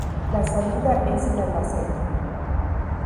La salida es el Albacete.